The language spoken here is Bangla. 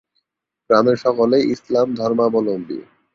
গ্রামের সকলেই ইসলাম ধর্মাবলম্বী।